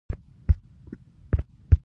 د زهرې او د پروین د غیږي راوړي